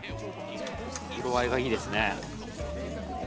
色合いがいいですね。